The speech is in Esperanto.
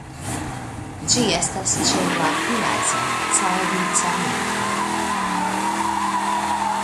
Ĝi estas ĉe la Piazza Caricamento.